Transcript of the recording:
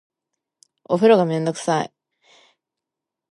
お風呂がめんどくさい